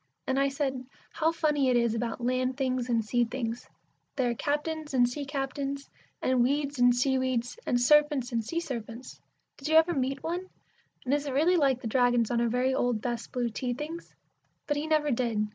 And I said, "How funny it is about land things and sea things! There are captains and sea captains, and weeds and sea weeds, and serpents and sea serpents. Did you ever meet one, and is it really like the dragons on our very old best blue tea things?" But he never did.